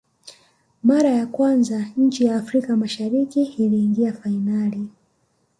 mara ya kwanza nchi ya afrika mashariki iliingia fainali